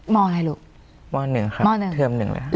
มองอะไรลูกมองหนึ่งครับเทิมหนึ่งเลยค่ะ